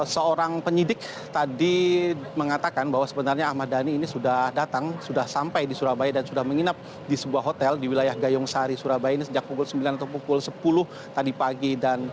seorang penyidik tadi mengatakan bahwa sebenarnya ahmad dhani ini sudah datang sudah sampai di surabaya dan sudah menginap di sebuah hotel di wilayah gayong sari surabaya ini sejak pukul sembilan atau pukul sepuluh tadi pagi